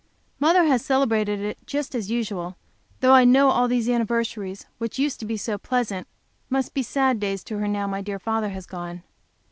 Mother has celebrated it just as usual, though I know all these anniversaries which used to be so pleasant, must be sad days to her now my dear father has gone.